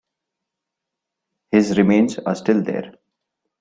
His remains are still there.